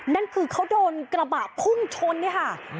นั่นคือเขาโดนกระบะพุ่งชนเนี่ยค่ะ